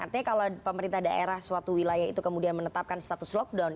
artinya kalau pemerintah daerah suatu wilayah itu kemudian menetapkan status lockdown